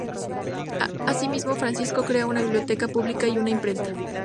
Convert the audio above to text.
Así mismo Francisco crea una biblioteca pública y una imprenta.